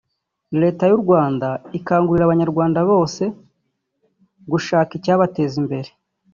Leta y’u Rwanda ikangurira Abanyarwanda bose gushaka icyabateza imbere